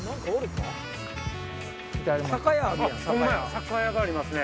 酒屋がありますね。